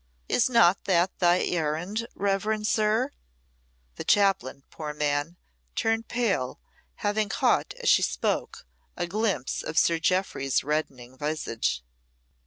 Is not that thy errand, reverend sir?" The chaplain, poor man, turned pale, having caught, as she spoke, a glimpse of Sir Jeoffry's reddening visage.